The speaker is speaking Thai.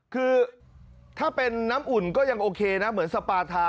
คือถ้าเป็นน้ำอุ่นก็ยังโอเคนะเหมือนสปาทา